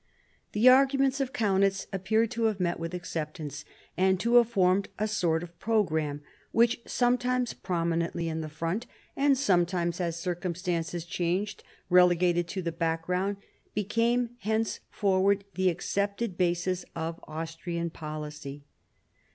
The arguments of Kaunitz appear to have met with acceptance, and to have formed a sort of programme which, sometimes prominently in the front, and some times, as circumstances changed, relegated to the back ground, became henceforward the accepted basis of Austrian policy.